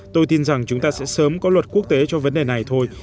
tôi tin rằng chúng ta sẽ sớm có luật quốc tế cho vấn đề này thôi